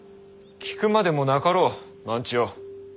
聞くまでもなかろう万千代。